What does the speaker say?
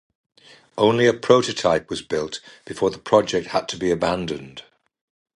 Only a prototype was built before the project had to be abandoned.